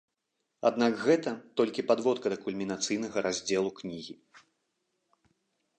Аднак гэта толькі падводка да кульмінацыйнага раздзелу кнігі.